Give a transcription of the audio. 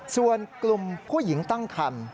ส่วนกลุ่มผู้หญิงตั้งคัน